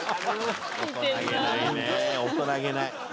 大人げないね。